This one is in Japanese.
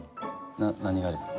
な何がですか？